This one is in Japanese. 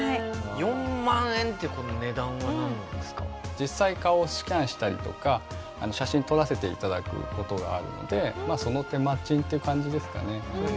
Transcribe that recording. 実際顔をスキャンしたりとか写真撮らせていただく事があるのでその手間賃っていう感じですかね。